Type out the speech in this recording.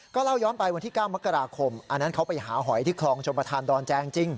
เล่าย้อนไปวันที่๙มกราคมอันนั้นเขาไปหาหอยที่คลองชมประธานดอนแจงจริง